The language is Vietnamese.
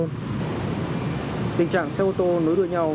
tình trạng xe ô tô nối đuôi nhau